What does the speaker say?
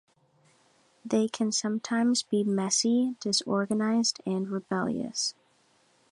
They can sometimes be messy, disorganized, and rebellious.